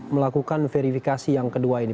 melakukan verifikasi yang kedua ini